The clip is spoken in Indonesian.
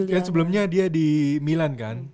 kan sebelumnya dia di milan kan